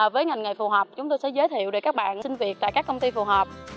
với ngành nghề phù hợp chúng tôi sẽ giới thiệu để các bạn xin việc tại các công ty phù hợp